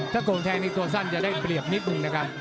ตัวสั้นจะได้เปรียบนิดหนึ่งนะคะ